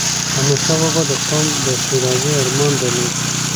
احمدشاه بابا د قوم د ښېرازی ارمان درلود.